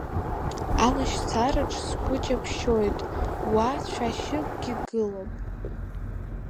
Алашьцараҿ сгәы ҷаԥшьоит, уа цәашьыкгьы гылап.